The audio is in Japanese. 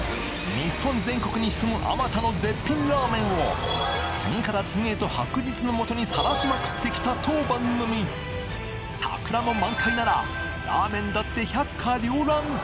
日本全国に潜む数多の絶品ラーメンを次から次へと白日のもとにさらしまくってきた当番組桜も満開ならラーメンだって百花繚乱！